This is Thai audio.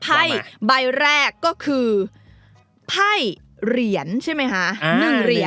ไพ่ใบแรกก็คือไพ่เหรียญใช่ไหมคะ๑เหรียญ